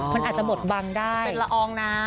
มันอาจจะหมดบังได้เป็นละอองน้ำ